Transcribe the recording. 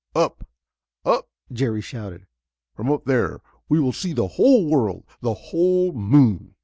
"Up up!" Jerry shouted. "From up there we will see the whole world the whole moon!"